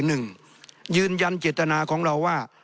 หนึ่งยืนยันเจตนาของเราว่า